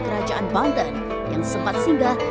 kerajaan banten yang sempat singgah